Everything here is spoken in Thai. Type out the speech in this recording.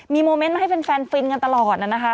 มีโมเมนต์มาให้แฟนฟินกันตลอดนะคะ